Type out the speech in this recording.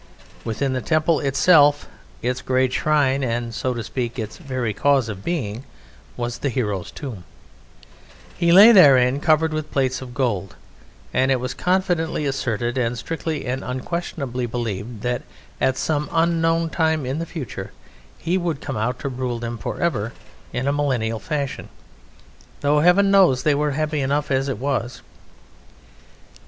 Within the temple itself its great shrine and, so to speak, its very cause of being was the Hero's tomb. He lay therein covered with plates of gold, and it was confidently asserted and strictly and unquestionably believed that at some unknown time in the future he would come out to rule them for ever in a millennial fashion though heaven knows they were happy enough as it was.